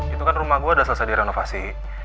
itu kan rumah gue udah selesai direnovasi